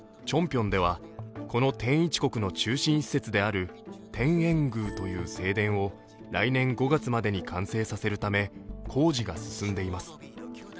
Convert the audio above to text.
ピョンではこの天一国の中心施設である天苑宮という正殿を来年５月までに完成させるため工事が進んでいます。